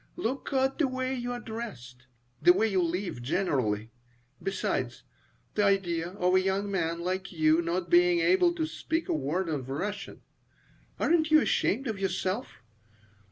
Look at the way you are dressed, the way you live generally. Besides, the idea of a young man like you not being able to speak a word of Russian! Aren't you ashamed of yourself?